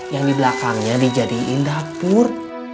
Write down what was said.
yang di belakangnya dijadikan dapur